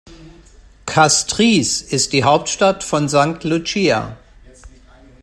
Castries ist die Hauptstadt von St. Lucia.